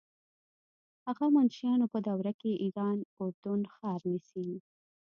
هخامنشیانو په دوره کې ایران اردن ښار نیسي.